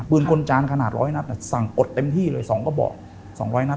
กลจานขนาด๑๐๐นัดสั่งอดเต็มที่เลย๒กระบอก๒๐๐นัด